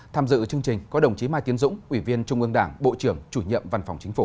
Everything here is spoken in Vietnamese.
tham dự chương trình có đồng chí mai tiến dũng ủy viên trung ương đảng bộ trưởng chủ nhiệm văn phòng chính phủ